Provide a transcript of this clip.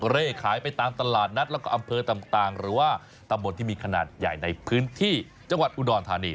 เลขขายไปตามตลาดนัดแล้วก็อำเภอต่างหรือว่าตำบลที่มีขนาดใหญ่ในพื้นที่จังหวัดอุดรธานี